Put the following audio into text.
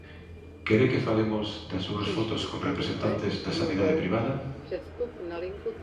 ¿Quere que falemos das súas fotos con representantes da sanidade privada?